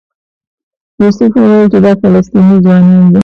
یوسف وویل چې دا فلسطینی ځوانان دي.